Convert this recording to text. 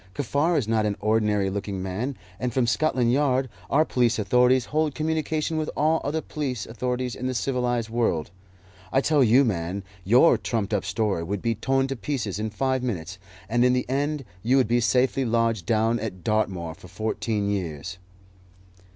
Kaffar is not an ordinary looking man, and from Scotland Yard our police authorities hold communication with all other police authorities in the civilized world. I tell you, man, your trumped up story would be torn to pieces in five minutes, and in the end you would be safely lodged down at Dartmoor for fourteen years."